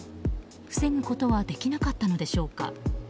防ぐことはできなかったのでしょうか。